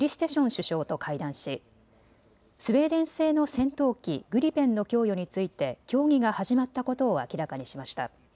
首相と会談しスウェーデン製の戦闘機グリペンの供与について協議が始まったことを明らかにしました。